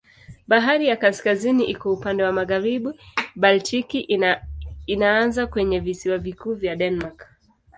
Bahari ya Kaskazini iko upande wa magharibi, Baltiki inaanza kwenye visiwa vikuu vya Denmark.